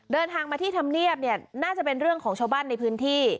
เดินทางมาที่ธรรมเนียบเนี่ยน่าจะเป็นเรื่องของชาวบ้านในพื้นที่